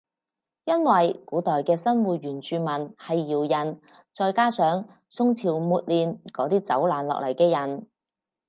因為古代嘅新會原住民係瑤人再加上宋朝末年嗰啲走難落嚟嘅人